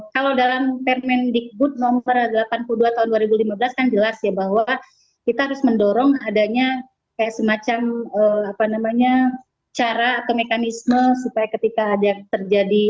kalau dalam permendikbud nomor delapan puluh dua tahun dua ribu lima belas kan jelas ya bahwa kita harus mendorong adanya kayak semacam cara atau mekanisme supaya ketika ada terjadi